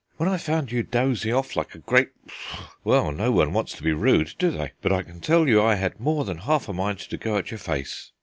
When I found you dozing off like a great Well, no one wants to be rude, do they? but I can tell you I had more than half a mind to go at your face."